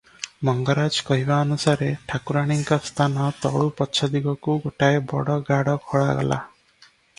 ମଙ୍ଗରାଜ କହିବା ଅନୁସାରେ ଠାକୁରାଣୀଙ୍କ ସ୍ଥାନ ତଳୁ ପଛ ଦିଗକୁ ଗୋଟାଏ ବଡ ଗାଡ଼ ଖୋଳାଗଲା ।